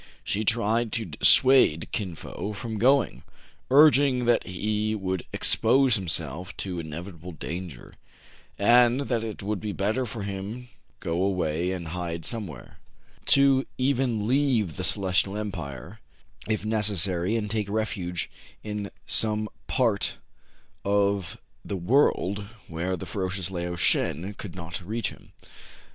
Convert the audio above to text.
She tried to dissuade Kin Fo from going, urging that he would expose himself to inevitable danger, and that it would be better for him go away and hide somewhere, — to even leave the Celestial Empire, if necessary, and take refuge in some part of the i8o TRIBULATIONS OF A CHINAMAN, world where the ferocious Lao Shen could not reach him.